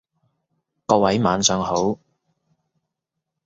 各位晚上好